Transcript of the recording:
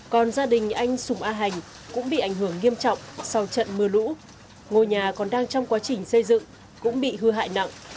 còn gia đình anh sùng a hành cũng bị ảnh hưởng nghiêm trọng sau trận mưa lũ ngôi nhà còn đang trong quá trình xây dựng cũng bị hư hại nặng